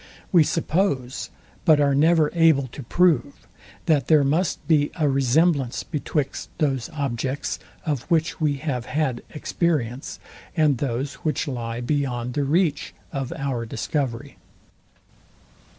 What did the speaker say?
We suppose, but are never able to prove, that there must be a resemblance betwixt those objects, of which we have had experience, and those which lie beyond the reach of our discovery.